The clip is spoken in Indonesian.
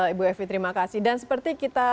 ibu evi terima kasih dan seperti kita